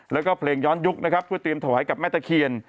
แล้วก็เพลงย้อนยุคก็เตรียมถวายกับแม่เวทเทียน